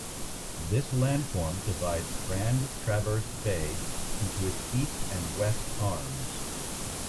This landform divides Grand Traverse Bay into its east and west arms.